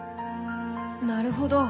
なるほど。